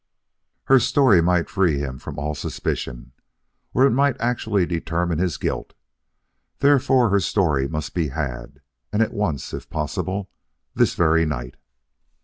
Her story might free him from all suspicion or it might actually determine his guilt. Therefore her story must be had, and at once if possible, this very night.